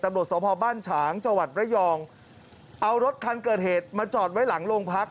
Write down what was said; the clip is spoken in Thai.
ตำรวจสพบ้านฉางจังหวัดระยองเอารถคันเกิดเหตุมาจอดไว้หลังโรงพัก